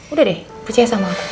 udah deh percaya sama